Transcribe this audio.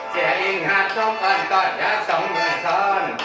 เศรษฐ์ริงฮาตตมตอนตอนย่าสองเพื่อสอน